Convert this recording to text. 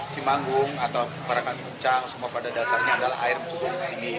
cimanggung atau parakan kencang semua pada dasarnya adalah air cukup tinggi